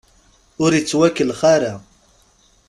Ur ittwakellex ara.